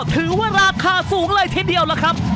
ถือว่าราคาสูงเลยทีเดียวล่ะครับ